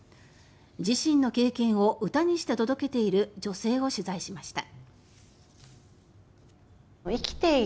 自身の経験を歌にして届けている女性を取材しました。